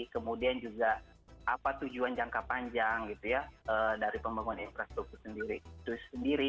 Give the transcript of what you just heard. kemudian juga apa tujuan jangka panjang gitu ya dari pembangunan infrastruktur sendiri itu sendiri